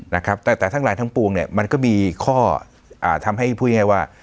นะครับแต่แต่ทั้งหลายทั้งปวงเนี่ยมันก็มีข้ออ่าทำให้พูดง่ายว่า